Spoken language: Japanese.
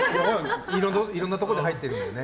いろんなところで入ってるんでね。